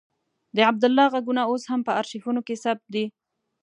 د عبدالله غږونه اوس هم په آرشیفونو کې ثبت دي.